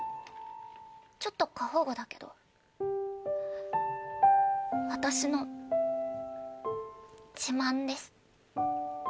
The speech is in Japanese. ちょっと過保護だけど私の自慢です。